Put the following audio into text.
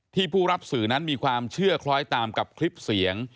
ผู้รับสื่อนั้นมีความเชื่อคล้อยตามกับคลิปเสียง